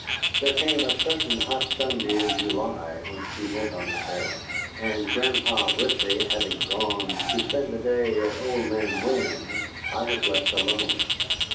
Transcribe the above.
There came a certain hot Sunday in July when she went on this errand, and Grandpa Ripley having gone to spend the day at old man Winn's, I was left alone.